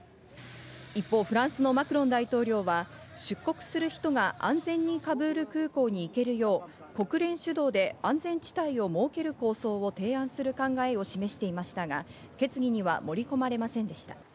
一方、フランスのマクロン大統領は出国する人が安全にカブール空港に行けるよう国連主導で安全地帯を設ける構想を提案する考えを示していましたが、決議には盛り込まれませんでした。